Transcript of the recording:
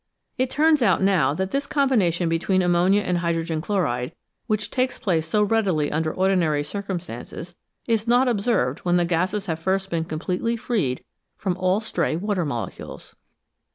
It turns out now that this combination between o ammonia and hydrogen chloride, which takes place so readily under ordinary circumstances, is not observed when the gases have first been completely freed from all stray water molecules.